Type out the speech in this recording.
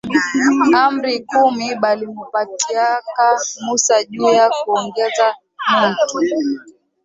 Amri kumi balimupatiaka musa juya kuongoza muntu